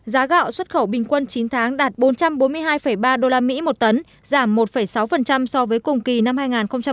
giá gạo xuất khẩu bình quân chín tháng đạt bốn trăm bốn mươi hai ba usd một tấn giảm một sáu so với cùng kỳ năm hai nghìn một mươi chín